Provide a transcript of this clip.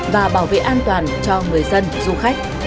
và bảo vệ an toàn cho người dân du khách